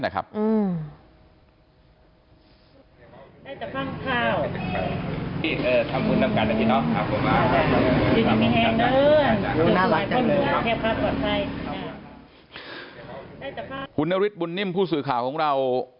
คุณนฤทธิ์บุญนิ่มผู้สื่อข่าวของเรา